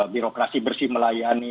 birokrasi bersih melayani